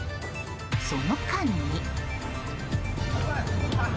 その間に。